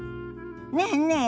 ねえねえ